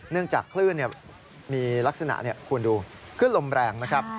เนื่องจากคลื่นมีลักษณะควรดูขึ้นลมแรงนะครับ